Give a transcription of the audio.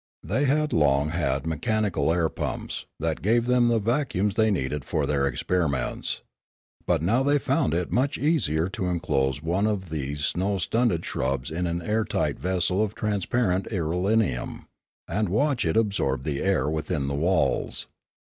They had long had mechanical air pumps, that gave them the vacuums they needed for their experiments. But they now found it much easier to enclose one of these snow stunted shrubs in an air tight vessel of transparent irelium, and watch it absorb the air within the walls.